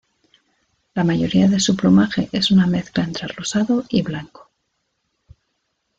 La mayoría de su plumaje es una mezcla entre rosado y blanco.